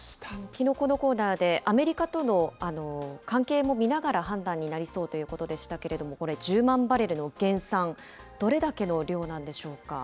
きのうこのコーナーで、アメリカとの関係も見ながら判断になりそうということでしたけれども、これ、１０万バレルの減産、どれだけの量なんでしょうか。